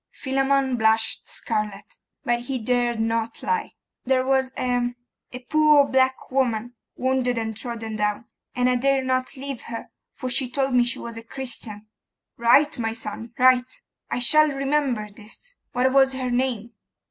Philammon blushed scarlet, but he dared not lie. 'There was a a poor black woman, wounded and trodden down, and I dare not leave her, for she told me she was a Christian.' 'Right, my son, right. I shall remember this. What was her name?